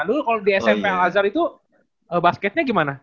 dulu kalau di smp al azhar itu basketnya gimana